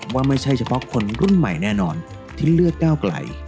ว่าไม่ใช่เฉพาะคนรุ่นใหม่แน่นอนที่เลือกก้าวไกล